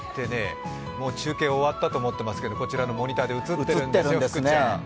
もう中継終わったと思ってますけど、こちらのモニターに映ってるんですね。